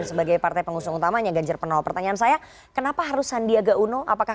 sebagai partai pengusung utamanya ganjar pranowo pertanyaan saya kenapa harus sandiaga uno apakah